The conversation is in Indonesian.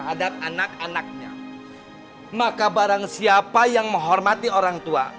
hai fellow pasar genjing rohimakumullah